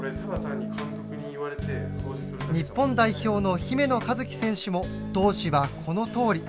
日本代表の姫野和樹選手も当時はこのとおり。